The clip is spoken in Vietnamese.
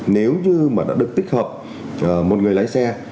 nếu như mà đã được tích hợp một người lái xe